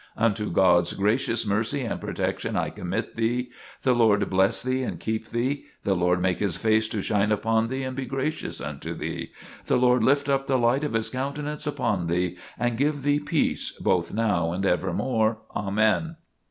"Unto God's gracious mercy and protection I commit thee. The Lord bless thee and keep thee. The Lord make His face to shine upon thee and be gracious unto thee. The Lord lift up the light of His countenance upon thee and give thee peace, both now and evermore. Amen."